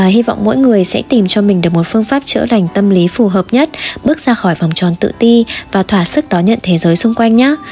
hy vọng mỗi người sẽ tìm cho mình được một phương pháp chữa đành tâm lý phù hợp nhất bước ra khỏi vòng tròn tự ti và thỏa sức đón nhận thế giới xung quanh nhé